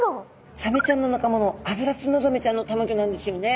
サメちゃんの仲間のアブラツノザメちゃんのたまギョなんですよね。